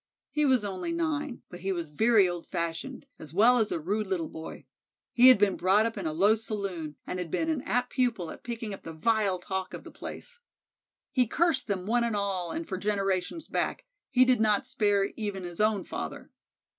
He was only nine, but he was very old fashioned, as well as a rude little boy. He had been brought up in a low saloon, and had been an apt pupil at picking up the vile talk of the place. He cursed them one and all and for generations back; he did not spare even his own father.